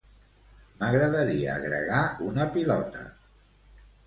M'agradaria agregar una pilota.